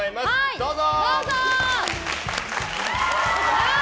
どうぞ！